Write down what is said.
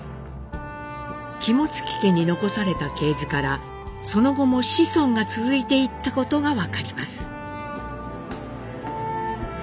肝付家に残された系図からその後も子孫が続いていったことが分かります。